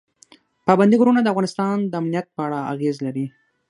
پابندي غرونه د افغانستان د امنیت په اړه اغېز لري.